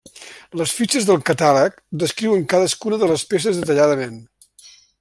Les fitxes del catàleg descriuen cadascuna de les peces detalladament.